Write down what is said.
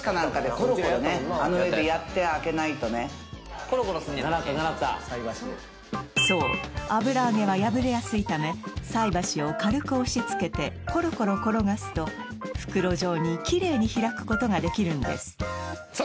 コロコロすんねやそう油揚げは破れやすいため菜箸を軽く押しつけてコロコロ転がすと袋状にきれいに開くことができるんですさあ